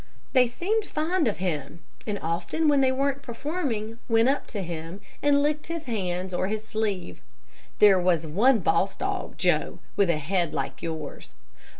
They seemed fond of him, and often when they weren't performing went up to him, and licked his hands or his sleeve. There was one boss dog, Joe, with a head like yours.